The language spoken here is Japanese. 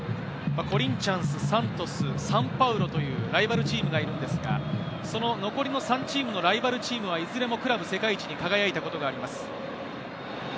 コリンチャンス、サントス、サンパウロというライバルチームがいるんですが、その残りの３チームのライバルチームはいずれもクラブ世界一に輝いたことがあります。